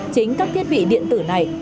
chính các thiết bị điện tử này